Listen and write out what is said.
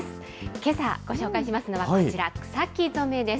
けさご紹介しますのは、こちら、草木染めです。